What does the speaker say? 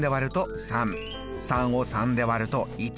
３を３で割ると１。